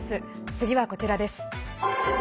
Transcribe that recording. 次はこちらです。